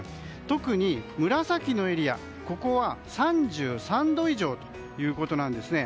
特に紫のエリア、ここは３３度以上ということなんですね。